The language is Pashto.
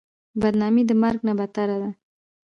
بدنامي د مرګ نه بدتره ده.